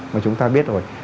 mà chúng ta biết rồi